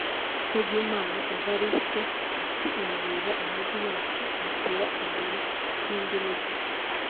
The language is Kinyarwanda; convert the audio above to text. Kubwimana Evariste ati “urareba umujyi wacu ntutera imbere nk’indi mijyi